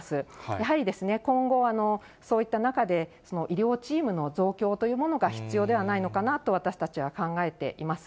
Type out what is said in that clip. やはり今後、そういった中で医療チームの増強というものが必要ではないのかなと、私たちは考えています。